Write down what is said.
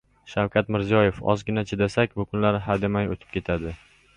Shavkat Mirziyoyev: «Ozgina chidasak, bu kunlar hademay o‘tib ketadi»